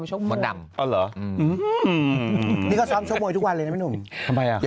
มันจะมานะมันก็จะมา